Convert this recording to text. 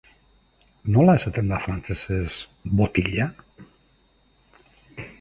Nola esaten da frantsesez "botila"?